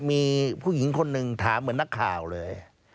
มีผู้หญิงคนหนึ่งถามเหมือนนักข่าวเลย